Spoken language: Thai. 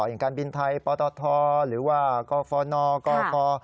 อย่างการบินไทยปตทหรือว่ากฟนกค